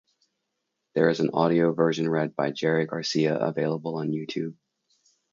There is an audio version read by Jerry Garcia available on YouTube.